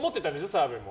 澤部も。